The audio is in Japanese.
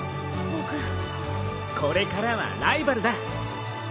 これからはライバルだ。